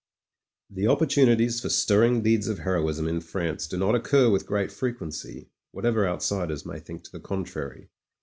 ••••••• The opportunities for stirring deecfs of heroism in France do not occur with great frequency, whatever outsiders may think to the contrary.